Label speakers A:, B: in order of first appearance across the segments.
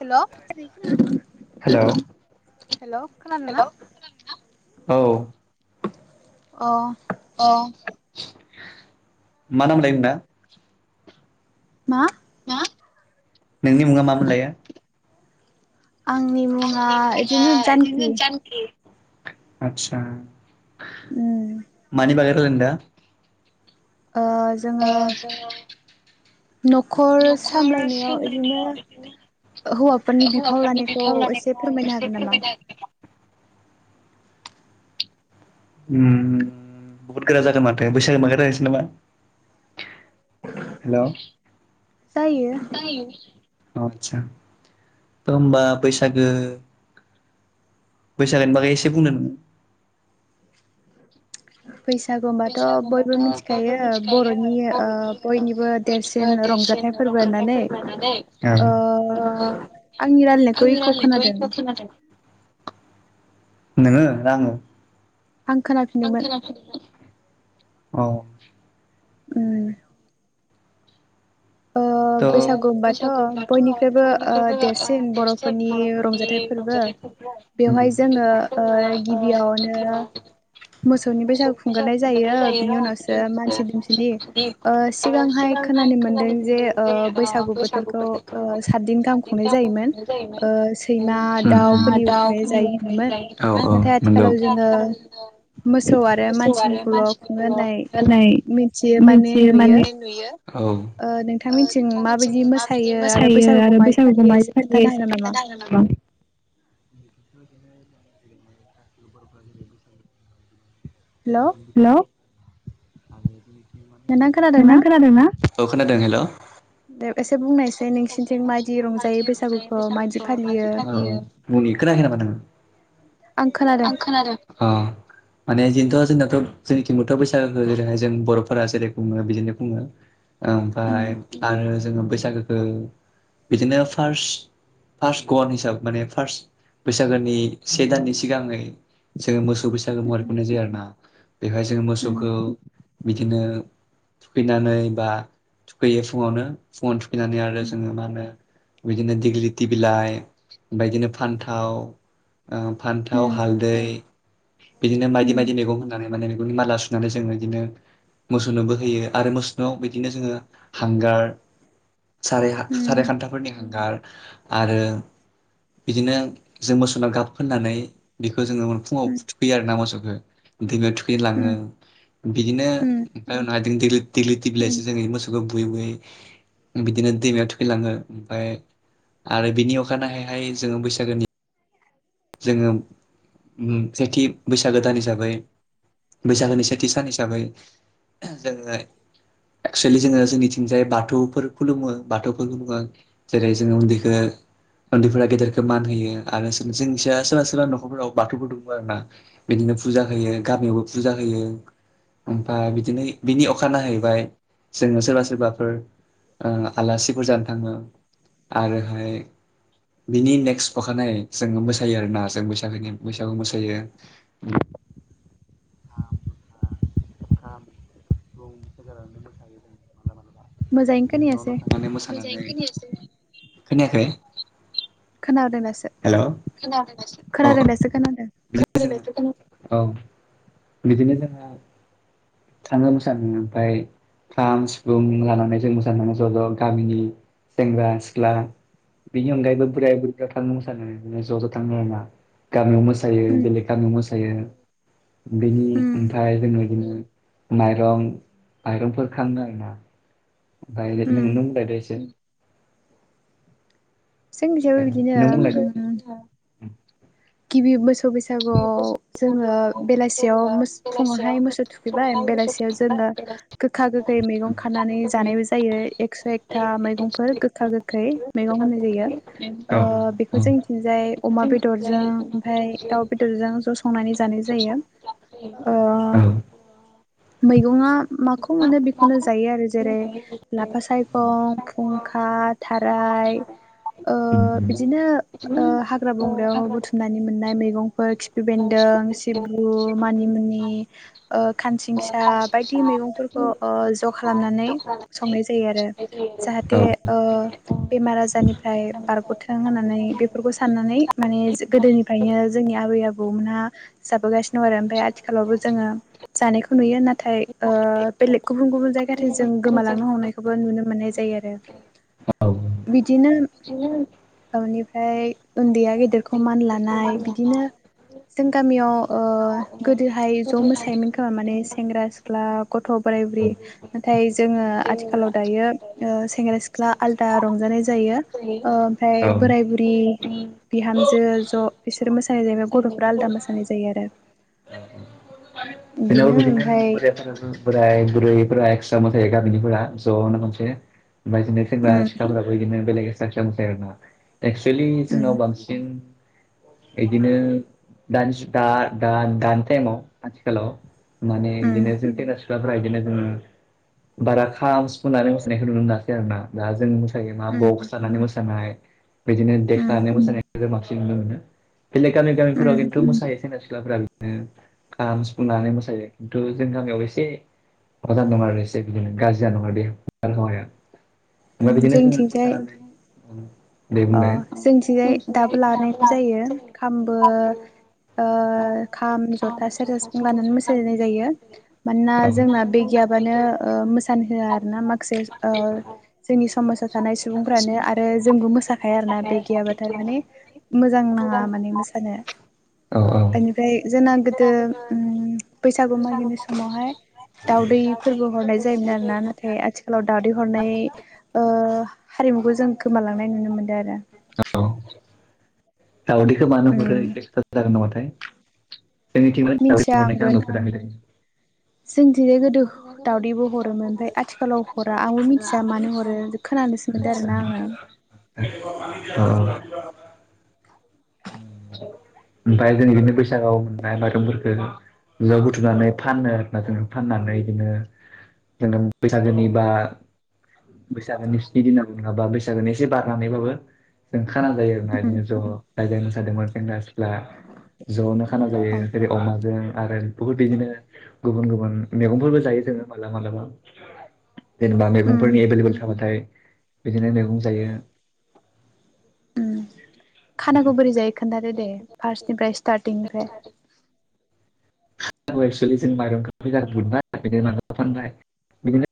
A: हेल'
B: hello
A: hello खोनादोंना?
B: औ
A: अ
B: अ मा नामलाय नोंना।
A: मा?
B: मा। नोंनि मुङा मामोन लायो।
A: आंनि मुङा इदिनो जानकि।
B: आतसा।
A: उम
B: मानि बागै [unintelligible]
A: ओ जोङो न'खर सामलायनायाव इदिनो हौवाफोरनि बिफाव लानायखौ एसे फोरमायनो हागोन नामा।
B: उम बहुत गोरा जादों माथो बैसागो मागो लानोसै नामा हेल'।
A: जायो
B: जायो। आतसा होमबा बैसागो बैसागोनि बागै एसे बुंदो नोङो।
A: [inaudible] बैसागु होनबाथ' बयबो मिन्थिखायो बर'नि ओ बयनिबो देरसिन रंजाथाइ फोरबो होननानै
B: औ
A: ओ आंनि रायलायनायखौ इक' खोनादों।
B: नोङो आङो
A: आं खोनाफिनदोंमोन।
B: अ।
A: ओं।
B: [unintelligible]
A: होनबाथ'
B: बैसागु होनबाथ'
A: बयनिख्रुइबो ओ
B: बयनिख्रुबो ओ
A: देरसिन
B: देरसिन
A: बर'फोरनि
B: बर'फोरनि
A: रंजाथाइ फोरबो
B: रंजाथाय फोरबो ओं
A: जोङो
B: बेवहाय
A: ओ
B: जोङो ओ
A: गिबियावनो
B: गिबियावनो मोसौ बैसागु खुंग्रोनाय जायो बिनि उनावसो मानसि दुमसिनि ओ सिगांहाय खोनानो मोनदों। बे ओ बैसागु बोथोरखौ सातदिन गाहाम खुंनाय जायोमोन
A: ओ
B: ओ
A: सैमा
B: सैमा
A: दाउफोरनि
B: दाउ
A: खुंनाय जायो होनोमोन
B: फुलिखै [inaudible]
A: आथिखालाव
B: नाथाय
A: जोङो मोसौ
B: आथिखालाव
A: आरो
B: मोसौ आरो
A: मानसिनिखौल' खुङो होननाय
B: मानसिफोरखौल' मिथियो माने नुयो। औ । ओ
A: नोंथांमोनथिं
B: नोंथां
A: माबायदि
B: मिथिगौ माबायदि
A: मोसायो आरो
B: मोसायो
A: बैसागुखौ
B: आरो
A: माबायदि
B: बैसागुखौ
A: फालियो
B: मा
A: एसे
B: फालि
A: खोन्थानो
B: एसे
A: हागोन नामा?
B: खोन्थानो हागोन नामा।
A: हेलौ
B: हेल'। [inaudible]
A: नोंथां
B: [inaudible]
A: खोनादों
B: नोंना
A: ना?
B: खोनादोंना ओ खोनां दों हेल'।
A: दे
B: एसे बुंनायसाय
A: नोंसिनिथिं मायदि
B: नोंसोरथिं मादि रंजायो
A: बैसागुखौ
B: बेसां
A: मायदि
B: [unintelligible]
A: फालियो
B: मादि थाबायो मनि खोनायाखै नामा नों आं खोनादों अ। माने जिनथ' जोंनाथ' जोंनिथिंबोथ' बैसागुखौ जेरैहाय जों बर'फोरा जेरै खुङो बिदिनो खुङो। ओमफ्राय
A: उम
B: आरो जोङो बैसागोखौ बिदिनो फार्स फार्स्ट गत हिसाब माने फार्स्ट बैसागोनि से दाननि सिगाङै। जोङो मोसौ बैसागो [unintelligible] जायो आरो ना बेहाय जों
A: उम
B: मोसौखौ बिदिनो थुखैनानै बा थुखैयो फुङावनो फुङाव थुख बिनानै आरो जोङो मा होनो बिदिनो दिग्लि दि बिलाइ बायदिनो फान्थाव ओ फान्थाव,
A: उम
B: हालदै [inaudible] बिदिनो मायदि
A: उम
B: मायदि मैगं होननानै मोने माला सुनानै जों बिदिनो मोसौनोबो होयो आरो मोसौनाव बिदिनो जोङो हांगार साराय हा साराय
A: उम
B: खान्थाफोरनि हांगार आरो बिदिनो जों मोसौनो गाब फोननानै बेखौ खौ जोङो फुङाव
A: उम
B: फु थुखैयो आरो ना मोसौखौ। [unintelligible] खैलाङो
A: उम
B: बिदिनो
A: उम
B: [unintelligible] देग्लिथि बिलायसो जों मोसौखौ बुयै बुयै बिदिनो दैमायाव थुखैलाङो ओमफ्राय आरो बिनि अखानायहायहाय जोङो बैसागोनि जोङो सेथि बैसागो दान हिसाबै बैसागोनि सेथि सान हिसाबै जोङो एक्सुेलि जोङो जोंनिथिंजाय बाथौफोर खुलुमो बाथौफोरखौ बुङो जेरै जोङो उन्दैखौ उन्दैफोरा गेदेरखौ मान होयो आरो जोंनिसाय सोरबा सोरबा नखरफोराव बाथौफोर दङ आरोना बिदिनो फुजा होयो गामियावबो फुजा होयो ओमफ्राय बिदिनो बिनि अखानायाहैबाय जोङो सोरबा सोरबाफोर ओ आलासिफोर जानो थाङो आरोहाय बिनि नेक्स्ट अखानायै जोङो मोसायो आरोना जों बैसागोनि बैसागु मोसायो [unintelligible] [unintelligible] [unintelligible]
A: मोजाङैनो खोनायासै
B: खोनायाखै?
A: [unintelligible]
B: हेल' [unintelligible]
A: खोनादों दासो खोनादों
B: [unintelligible] औ बिदिनो जोंहा थाङो मोसानो ओमफ्राय खाम सिफुं लानानै जों मोसानो ज' ज' गामिनि सेंग्रा सिख्ला बेनि अनगायैबो बोराय बुरैबो थाङो मोसानोनो ज' ज' थांनो आरोङा गामियाव मोसानो [unintelligible]
A: उम
B: जायो बेनि
A: उम
B: ओमफ्राय जों बिदिनो माइरं माइरंफोर खांयो आरोना। ओमफ्राय
A: उम
B: नोंनो बुंलाय़नो इसे
A: जोंनि जोंबो बिदिनो उम। गिबि बोसोर गिबि बैसागुआव जोङो बेलासियाव फुङावहाय मोसौ थुखैबाय बेलासियाव जोङो गोखा गोखै मैगं खानानै जानायबो जायो एकस' एकथा मैगंफोर गोखा गोखै मैगं होननाय जायो
B: औ
A: बेखौ
B: औ
A: ओ जोंनिथिंजाय अमा बेदर जों ओमफाय दाव दोलोजों ज संनानै जानाय जायो ओ मैगंआ माखौ मोनो बेखौनो जायो आरो जेरै लाफा सायखं फुंखा थाराय ओ बिदिनो ओ हाग्रा बंग्रायाव- बुथुमनानै मोननाय मैगं- फोर खिफि बेन्दों, सिब्रु, मानिमुनि, ओ खानसिंसा बायदि मैगंफोरखौ ओ ज खालामनानै संनाय जायो आरो
B: औ
A: जाहाथे ओ बेमार आजारनिफ्राय बारगथों होननानै बेफोरखौ साननानै माने गोदोनिफ्रायनो जोंनि आबै आबौमोना जाबोगासिनो दं आरो ओमफ्राय आथिखालावबो जोंङो जानायखौ नुयो नाथाय ओ बेलेग गुबुन गुबुन जायगाथि जों गोमालांनो हमनायखौबो नुनो मोननाय जायो आरो बिदिनो औ निफ्राय उन्दैया गेदेरख खौ मान लानाय बिदिनो जों गामियाव ओ गोदोहाय ज' मोसायोमोन खोमा माने सेंग्रा सिख्ला गथ' बोराइ बुरि नाथाय जोंङो आथिखालाव दायो सेंग्रा सिख्ला आलादा रंजानाय जायो ओमफ्राय
B: औ
A: बोराय बुरि बिहामज जो ज ईसोर मोसानाय जायो गथफ्रा आलदा मोसानाय जायो आरो
B: जोंनावबो
A: बिदिनो ओमफाय
B: बोराइफोराबो बोराय बुरैफोरा एक्सट्रा मोसायो गामिनिफोरा जनो खनसे मायफिननो थिनबा
A: उम
B: सिख्लाफोराबो इदिनो बेलेगै साथिया मोसायो आरोना एकस्वेलि‌ जोंनाव
A: उम
B: बांसिन बिदिनो दानि सुंथा दान दान टाइमाव आथिखालाव माने बिदिनो जों सेंग्रा सिख्लाफ्रा बिदिनो जों बारा खाम सफुनानै मोसानायखौ नुनो मोनासै आरो ना दा जों बेयो मा बाक्स
A: उम
B: लानानै मोसानाय बिदिनो देख
A: उम
B: दानिया मोसानाय [unintelligible] बांसिन नुनो मोनो। बेलेग गामि गामिफोराव
A: उम
B: खिन्तु मोसाहोयो‌ सिख्लाफोरा बिदिनो खाम सिफुं लानानै मोसायो किन्तु जोंनि गामियावबो एसे माबा जाना दं आरो एसे बिदिनो गाज्रि जाना दं आरो बे बारहावाया।
A: उम जोंनिथिंजाय
B: उम दे बुंलाय।
A: थिंयै दाबो लानाय जायो खामबो ओ खाम जथा सेरजा सिफुं लानानै मोसानाय जायो मानोना
B: औ
A: जोंना बे गैयाबानो ओ मोसानो होआ आरोना माखासे ओ जोंनि समाजाव थानाय सुबुंफ्रानो आरो जोंबो मोसा हाया आरोना बे गैयाबाथाय दा माने मोजां नाङा माने मोसानो
B: औ औ
A: इनिफ्राय जोंना गोदो उम बैसागु मागिनाय समावहाय दावउदैफोरबो हरनाय जायोमोन आरोना नाथाय आथिखालाव दावदै हरनाय ओ हारिमुखौ जों गोमालांनाय नुनो मोनो दोआरो
B: औ दावदैखौ मानो हरो एसे खोथा जागोन नामाथाय जोंनिथिं दावदै हरनायखौ आं नुफेराखै दै।
A: जोंनिथिं गोदो दावदैबो हरोमोन ओमफफ्राय आथिखालाव हरा आंबो मिथिया मानो हरो खोनानोसोम मोनदों आरोना आंङो
B: ओ ओमफ्राय जों बिदिनो बैसागाव मा-माइरंफोरखो ज' बुथुनानै फाननो आरोना जोङो फाननानै बिदिनो जोङो बैसागोनिबा बैसागोनि स्नि दिनाव नङाबा बैसागोनि एसे बारनानैबाबो जों खाना जायो आरोहायनो
A: उम
B: ज' जादोंमोन सेंग्रा सिख्ला ज'नो खाना ए जेनेबा हाजों आरो बहुत इनिफायनो गुबुन गुबुन मैगंफोरबो जायो जोङो मालाबा मालाबा। जेनेबा
A: उम
B: मैगंफोरनि एभेलेबेल थाबाथाय। बिदिनो मेगं जायो।
A: उ खानाखौ बोरै जायो खोन्थादो दे फार्स्टनिफ्राय स्टार्टिं
B: सारि एक्सुयेलि जों माइरंखो [unintelligible] फानबाय बिदिनो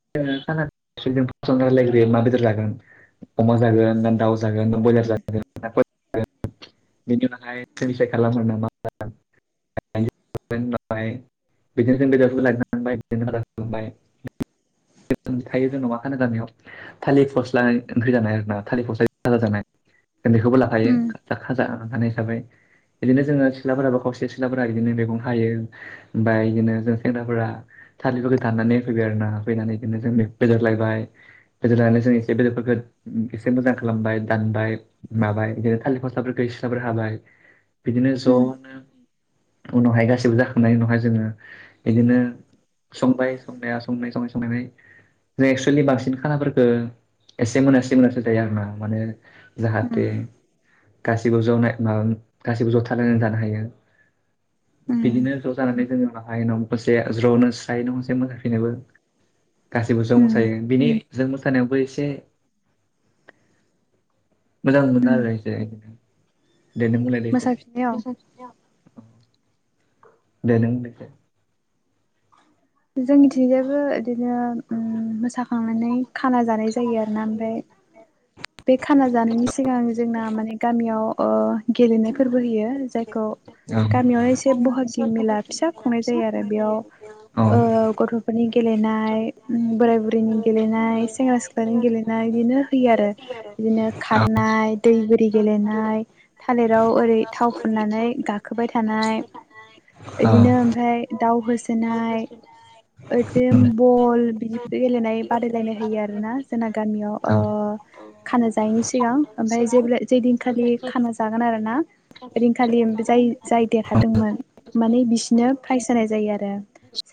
B: खाना जानायनि सिगां रायलायग्रोयो मा बेदर जागोन अमा जागोन ना दाउ जागोन ना ब्रयलार
A: उम
B: जागोन बेनि उनावहाय [unintelligible] बाय बिदिनो जों बेदरबो लायनाबाय बिनो खालामबाय थायो जोंनाव मा खाना जानायाव गामियाव थालिर फस्ला ओंख्रि जानाय आरो ना थालिर फस्ला राजाजा जानाय उन्दैखौबो
A: उम
B: लाखायोाजा ओखानाय हिसाबै बिदिनो जोङो सिख्लाफोराबो खावसे सिख्लाफोरा बिदिनो मेगं हायो ओमफ्राय इदिनो जों सेंग्राफोरा थालिरफोरखौ दाननानै होफैबाय आरो ना होफैनानै बिदिनो जों बेदर लायबाय बेदर लायनानै जों एसे बेदरफोरखौ एसे मोजां खालामबाय दानबाय माबाय बिदिनो थालिर फस्लाफोरखौ सिख्लाफोर हाबाय बिदिनो ज'नो
A: उम
B: उनाव हायदो गासिबो जाखांनायनि उनावहाय जोङो बिदिनो संबाय संनाया संनाय संनाय संनानै जों एक्सुयेलि बांसिन खानलाफोरखौ एसे मोनासे मोनासो जायो आरोना माने जाहाथे गासैबो ज'नो माबाम गासैबो ज' थालायनानै जानो हायो।
A: उम
B: बिदिनो ज' जानानै जोंनि उनावहाय नखरसे ज'नो स्राय न' गंसे मोसांफिनोबो गासैबो ज'
A: उम
B: मोसायो बिनि जों मोसानायावबो एसे मोजां मोनो
A: उम
B: आरो एसे। दे नों बुंलायदो एसे।
A: मोसाफिननायाव
B: मोसौ थुखैनायाव देनों [unintelligible]
A: जोंनिथिं थिंजायबो इदिनो ओ मोसा थांनानै खाना जानाय जायो आरोना ओमफ्राय बे खाना जानायनि सिगां जोंना माने गामियाव ओ गेलेनो फोरबो होयो जायखौ
B: औ
A: गामियावनो एसे बहागि मेला फिसा खुंनाय जायो आरो बेयाव औ गथ'फोरनि गेलेनाय, बोराय बुरैनि गेलेनाय, सेंग्रा सिख्लानि गेलेनाय बिदिनो होयो आरो बिदिनो
B: औ
A: खारनाय, दै बोरि गेलेनाय थालिराव ओरै थाव फुननानै गाखोबाय थानाय
B: औ
A: इदिनो ओमफ्राय दाउ होसोनाय। ओइ जे
B: उम
A: बल बिदिबो गेलेनाय बादायलायनाय होयो आरोना जोंना गामियाव
B: औ
A: ओ खाना जायैनि सिगां ओमफाय जेब जे दिनखालि खाना जागोन आरो ना ओदिनखालि जाय जाय देरहादोंमोन माने बिसिनो प्राइज होनाय जायो आरो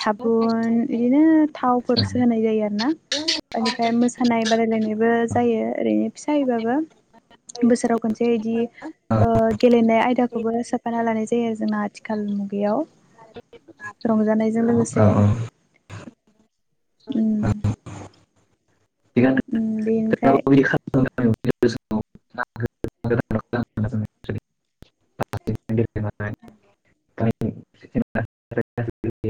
A: साबुन बिदिनो थावफोरसो होनाय जायो आरो ना बेनिफ्राय मोसानाय बादायलायनायबो जायो ओरैनो फिसाहैबाबो बोसोराव खनसे इदि, ओ गेलेनाय आयदाखौबो सोफाना लानाय जायो जोंना आथिखाल मुगायाव रंजानायजों
B: औ
A: लोगोसे
B: औ
A: उम
B: [inaudible]
A: बेनिफ्राय
B: थिगानो बिदि खालाम [unintelligible]